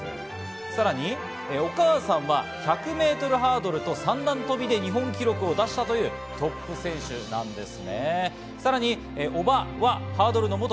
さらにお母さんは１００ｍハードルと三段跳びで日本記録を出したというトップ選手なんです。